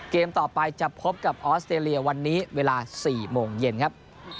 เกมต่อไปจะพบกับออสเตรเลียวันนี้เวลา๔โมงเย็นครับ